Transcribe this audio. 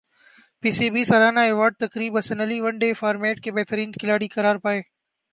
پی C B سالانہ award تقریب Hasan Ali one day format کے بہترین کھلاڑی قرار پائے